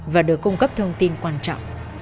và được cung cấp thông tin quan trọng